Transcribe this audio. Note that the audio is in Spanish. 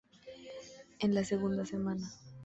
En la segunda semana.